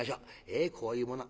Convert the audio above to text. えこういうもの」。